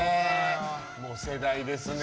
もう世代ですね。